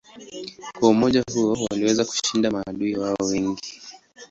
Kwa umoja huo waliweza kushinda maadui wao wengi.